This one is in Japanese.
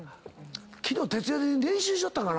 昨日徹夜で練習しよったんかな